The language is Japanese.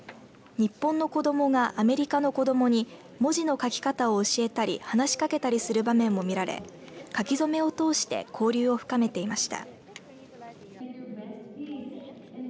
日本の子どもがアメリカの子どもに文字の書き方を教えたり話しかけたりする場面も見られ書き初めを通して交流を深めていました。